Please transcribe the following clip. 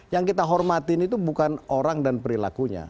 yang kita hormatin itu bukan orang dan perilakunya